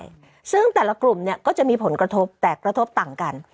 ใช่ซึ่งแต่ละกลุ่มเนี่ยก็จะมีผลกระทบแต่กระทบต่างกัน